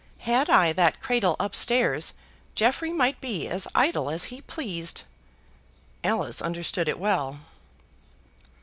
Had I that cradle up stairs Jeffrey might be as idle as he pleased." Alice understood it well.